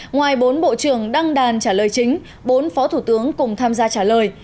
ngoài bốn bộ trưởng đăng đàn trả lời chính bốn phó thủ tướng cùng tham gia trả lời